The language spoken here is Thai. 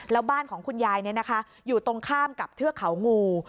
แล้วบ้านของคุณยายอยู่ตรงข้ามกับเทือกเขางู